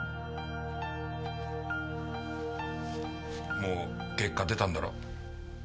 もう結果出たんだろ？